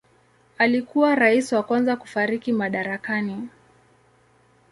Alikuwa rais wa kwanza kufariki madarakani.